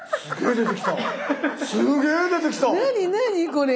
これ！